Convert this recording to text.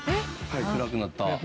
はい暗くなった。